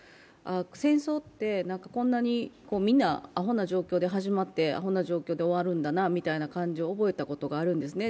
戦争って、こんなにみんなあほな状況で始まって、あほな状況で終わるんだなという感じを覚えたことがあるんですね。